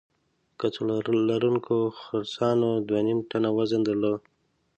کڅوړه لرونکو خرسانو دوه نیم ټنه وزن درلود.